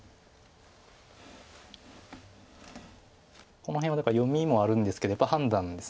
この辺はだから読みもあるんですけどやっぱり判断です。